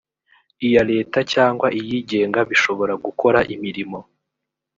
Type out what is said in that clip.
iya leta cyangwa iyigenga bishobora gukora imirimo